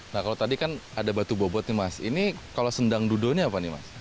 nah kalau tadi kan ada batu bobot nih mas ini kalau sendang dudo ini apa nih mas